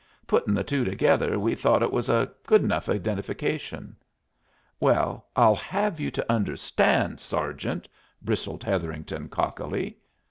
Puttin' the two together we thought it was a good enough identification." "Well, I'll have you to understand, sergeant " bristled Hetherington, cockily.